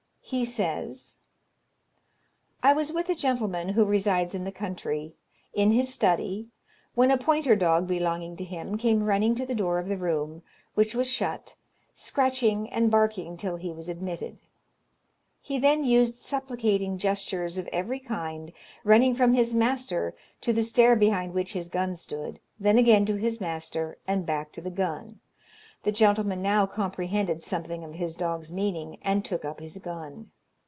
He says: "I was with a gentleman who resides in the country, in his study, when a pointer dog belonging to him came running to the door of the room, which was shut, scratching and barking till he was admitted. He then used supplicating gestures of every kind, running from his master to the stair behind which his gun stood, then again to his master, and back to the gun. The gentleman now comprehended something of his dog's meaning, and took up his gun.